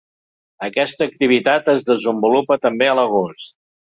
Aquesta activitat es desenvolupa també a l’agost.